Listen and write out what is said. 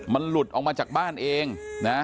มันหลุดออกมาจากบ้านเองนะ